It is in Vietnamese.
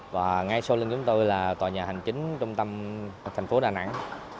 và ngay sau lưng chúng tôi là tòa nhà hành chính trung tâm thành phố đà nẵng